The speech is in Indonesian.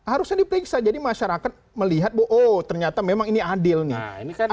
harusnya diperiksa jadi masyarakat melihat bahwa oh ternyata memang ini adil nih